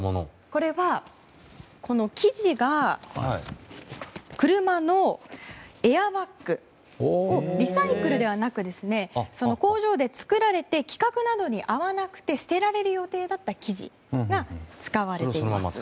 これは、生地が車のエアバッグをリサイクルではなく工場で作られて規格などに合わなくて捨てられる予定だった生地が使われています。